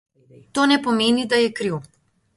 To ne pomeni, da je kriv.